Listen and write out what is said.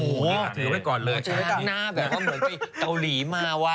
เหมือนไปเกาหลีมาวะ